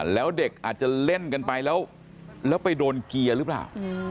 แล้วเด็กอาจจะเล่นกันไปแล้วไปโดนเกียร์หรือเปล่า